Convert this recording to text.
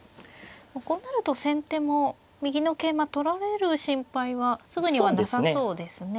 こうなると先手も右の桂馬取られる心配はすぐにはなさそうですね。